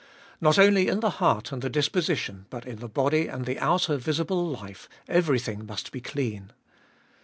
Not only in the heart and the disposition, but in the body and the outer visible life, everything must be clean.